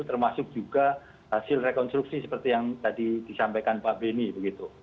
termasuk juga hasil rekonstruksi seperti yang tadi disampaikan pak beni begitu